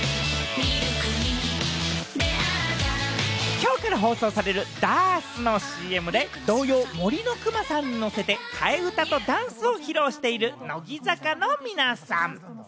きょうから放送されるＤＡＲＳのＣＭで、童謡『森のくまさん』に乗せて替え歌とダンスを披露している、乃木坂の皆さん。